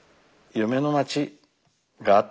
「夢の街」があってね。